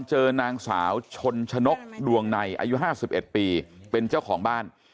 เจอนางสาวชนชนกดวงในอายุ๕๑ปีเป็นเจ้าของบ้าน